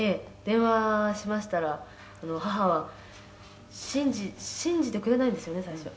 電話しましたら母は信じてくれないんですよね最初」